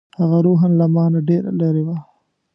هغه روحاً له ما نه ډېره لرې وه.